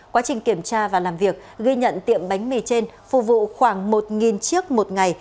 quá trình kiểm tra và làm việc ghi nhận tiệm bánh mì trên phù vụ khoảng một chiếc một ngày